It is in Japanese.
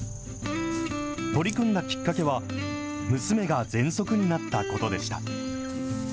取り組んだきっかけは、娘がぜんそくになったことでした。